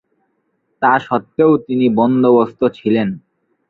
তা সত্ত্বেও তিনি বন্দোবস্ত দিলেন।